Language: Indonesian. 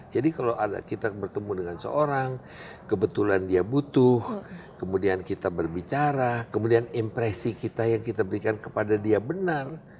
jadi kalau ada kita bertemu dengan seorang kebetulan dia butuh kemudian kita berbicara kemudian impresi kita yang kita berikan kepada dia benar